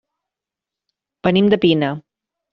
Venim de Pina.